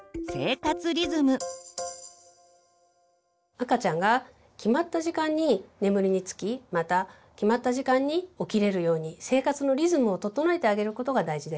赤ちゃんが決まった時間に眠りにつきまた決まった時間に起きれるように生活のリズムを整えてあげることが大事です。